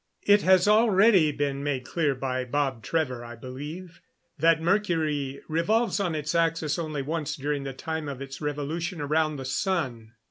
It has already been made clear by Bob Trevor, I believe, that Mercury revolves on its axis only once during the time of its revolution around the sun.